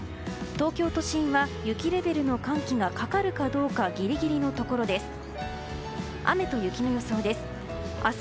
東京都心は雪レベルの寒気がかかるかどうかギリギリのところです。